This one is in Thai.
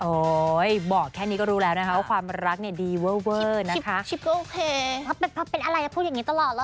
โอ้ยบอกแค่นี้ก็รู้แล้วนะคะว่าความรักดีเว่อนะคะ